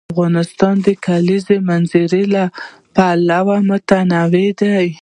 افغانستان د د کلیزو منظره له پلوه متنوع دی.